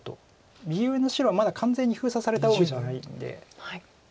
右上の白はまだ完全に封鎖されたわけじゃないんで。